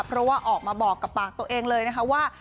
เพราะว่าออกมาบอกกับปากตัวเองเลยนะคะว่า